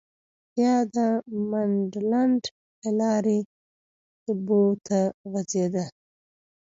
بیا د منډلنډ له لارې بو ته غځېده.